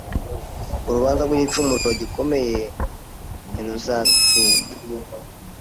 urubanza rw’igicumuro gikomeye ntiruzansinda